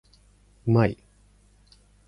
うまい